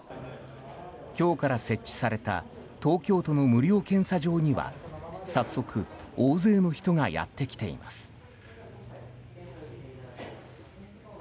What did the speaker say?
今日から設置された東京都の無料検査場には早速、大勢の人がやってきています。